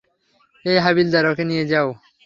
এই হাবিলদার, ওকে নিয়ে যাও।